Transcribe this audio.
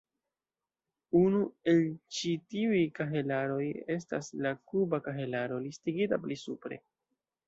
Unu el ĉi tiuj kahelaroj estas la "kuba kahelaro", listigita pli supre.